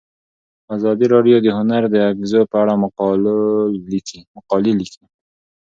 ازادي راډیو د هنر د اغیزو په اړه مقالو لیکلي.